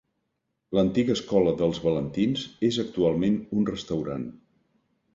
L'antiga escola dels Valentins és actualment un restaurant.